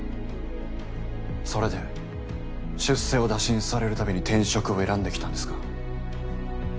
それで出世を打診される度に転職を選んできたんですか？